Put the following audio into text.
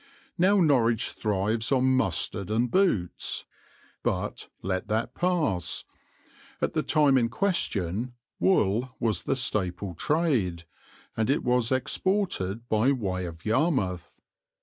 Now Norwich thrives on mustard and boots, but let that pass; at the time in question wool was the staple trade, and it was exported by way of Yarmouth.